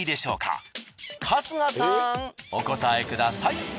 お答えください。